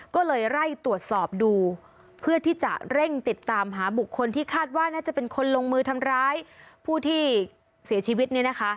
ก็เลยไล่ตรวจสอบดูเพื่อที่จะเร่งติดตามหาบุคคลที่คาดว่าน่าจะเป็นคนลงมือทำร้ายผู้ที่เสียชีวิตเนี่ยนะคะ